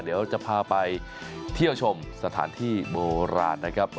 เดี๋ยวจะพาไปเที่ยวชมสถานที่โบราณนะครับ